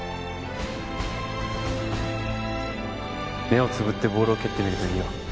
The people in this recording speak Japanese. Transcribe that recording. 目をつぶってボールを蹴ってみるといいよ。